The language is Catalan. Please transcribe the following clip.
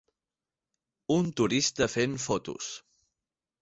Un turista fent fotos.